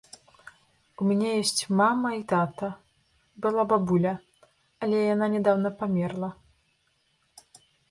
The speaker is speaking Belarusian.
У мяне ёсць мама і тата, была бабуля, але яна нядаўна памерла.